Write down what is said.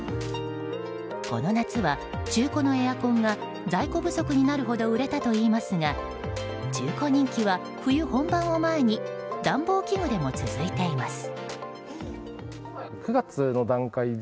この夏は、中古のエアコンが在庫不足になるほど売れたといいますが中古人気は冬本番を前に暖房器具でも続いています。